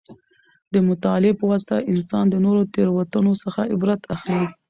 د مطالعې په واسطه انسان د نورو د تېروتنو څخه عبرت اخلي.